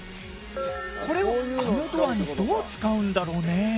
これをあのドアにどう使うんだろうね。